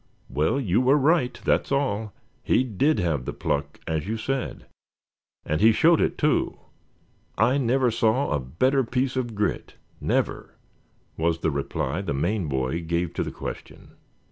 "Well, you were right, that's all; he did have the pluck as you said, and he showed it too. I never saw a better piece of grit, never," was the reply the Maine boy gave to the question.